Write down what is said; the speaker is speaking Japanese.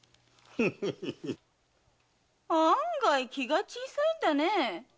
案外気が小さいんだね。